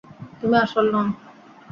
তুমি আসল নও।